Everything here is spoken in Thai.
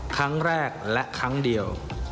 ครั้งแรกและครั้งเดียว